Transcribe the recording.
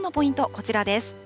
こちらです。